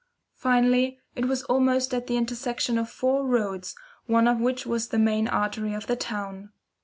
Finally, it was almost at the intersection of four roads, one of which was a main artery of the town.